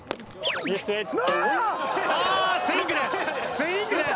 スイングです。